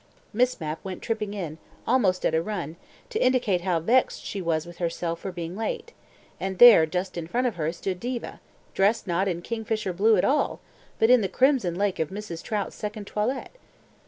Miss Mapp went tripping in, almost at a run, to indicate how vexed she was with herself for being late, and there, just in front of her, stood Diva, dressed not in kingfisher blue at all, but in the crimson lake of Mrs. Trout's second toilet.